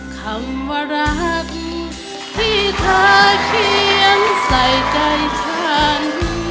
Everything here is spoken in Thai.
คำว่ารักที่เธอเขียนใส่ใจฉัน